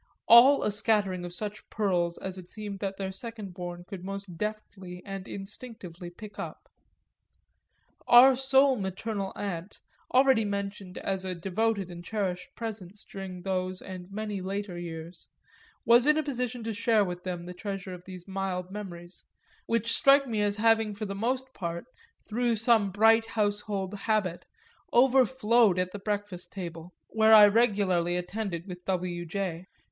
all a scattering of such pearls as it seemed that their second born could most deftly and instinctively pick up. Our sole maternal aunt, already mentioned as a devoted and cherished presence during those and many later years, was in a position to share with them the treasure of these mild memories, which strike me as having for the most part, through some bright household habit, overflowed at the breakfast table, where I regularly attended with W. J.